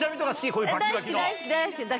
こういうバッキバキの。